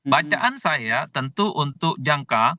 bacaan saya tentu untuk jangka